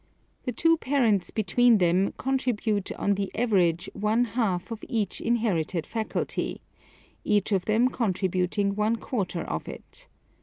The two parents between them contribute on the average one ha.U of each inherited faculty, each of them con tributing one quarter of it.